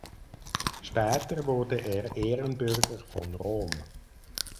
Später wurde er Ehrenbürger von Rom.